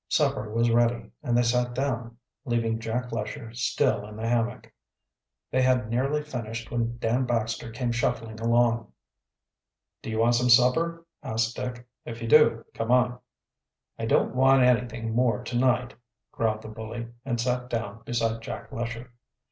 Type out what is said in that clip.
Supper was ready, and they sat down, leaving Jack Lesher still in the hammock. They had nearly finished when Dan Baxter came shuffling along. "Do you want some supper?" asked Dick. "If you do, come on." "I don't want anything more to night," growled the bully, and sat down beside Jack Lesher.